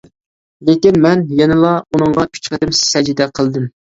لېكىن مەن يەنىلا ئۇنىڭغا ئۈچ قېتىم سەجدە قىلدىم.